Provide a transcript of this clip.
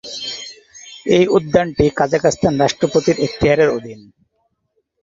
এই উদ্যানটি কাজাখস্তানের রাষ্ট্রপতির এখতিয়ারের অধীন।